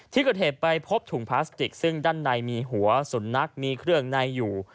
ที่เกิดเหตุไปพบถุงพลาสติกซึ่งด้านในมีหัวสุนัขมีเครื่องในอยู่